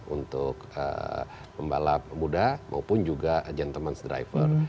untuk pembalap muda maupun juga gentleman s driver